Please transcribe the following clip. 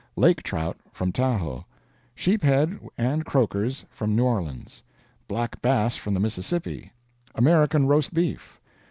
Lake trout, from Tahoe. Sheep head and croakers, from New Orleans. Black bass from the Mississippi. American roast beef.